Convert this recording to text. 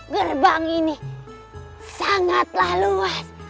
gerbang ini sangatlah luas